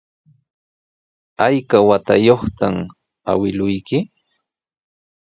¿Ayka watayuqta awkilluyki?